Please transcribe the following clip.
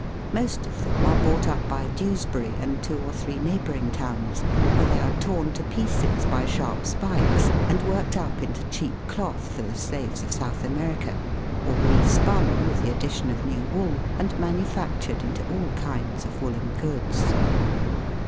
Most of them are bought up by Dews bury and two or three neighbouring towns, where they are torn to pieces by sharp spikes, and worked up into cheap cloth for the slaves of South America, or re spun, with the addition of new wool, and manufactured into all kinds of woollen goods.